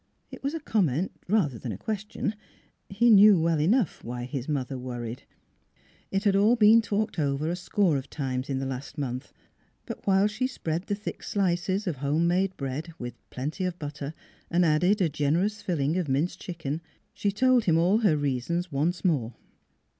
" It was a comment rather than a question. He knew well enough why his mother worried. It had all been talked over a score of times in the 311 3 i2 NEIGHBORS last month. But while she spread the thick slices of home made bread with plenty of butter and added a generous filling of minced chicken she told him all her reasons once more.